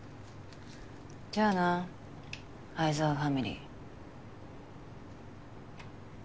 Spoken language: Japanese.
じゃあな愛沢ファミリー。